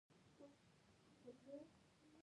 یې په اور کې وسوځي، جالبه لا دا چې.